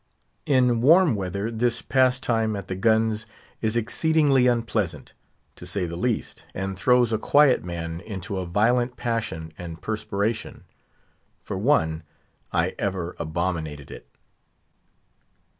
In warm weather this pastime at the guns is exceedingly unpleasant, to say the least, and throws a quiet man into a violent passion and perspiration. For one, I ever abominated it.